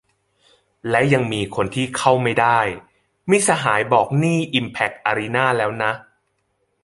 และยังมีคนที่เข้าไม่ได้ - มิตรสหายบอกนี่อิมแพคอารีนาแล้วนะ